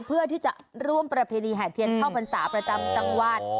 เพื่อที่จะร่วมประเพณีแห่เทียนเข้าพรรษาประจำจังหวัด